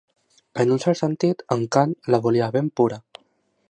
En un cert sentit, en Kant la volia ben pura.